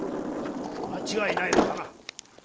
間違いないのだな。